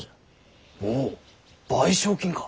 おぉ賠償金か！